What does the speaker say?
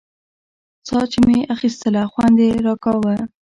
ساه چې مې اخيستله خوند يې راکاوه.